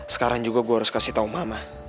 sekarang juga gue harus kasih tahu mama